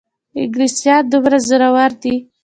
انګلیسیان دومره زورور دي.